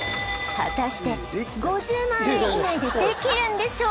果たして５０万円以内でできるんでしょうか？